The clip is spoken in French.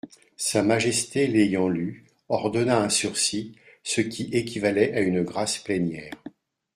Sa Majesté l'ayant lue, ordonna un sursis, ce qui équivalait à une grâce plénière.